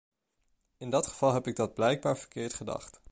In dat geval heb ik dat blijkbaar verkeerd gedacht.